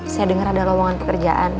saya dengar ada lowongan pekerjaan